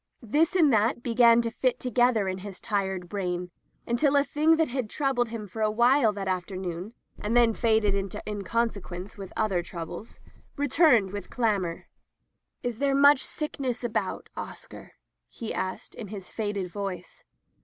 This and that began to fit together in his tired brain, until a thing that had troubled him for awhile that afternoon, and then faded into inconsequence with other troubles, returned with clamor. [ 393 ] Digitized by LjOOQ IC Interventions '^8 there much sickness about, Oscar?'' he asked in his faded voice.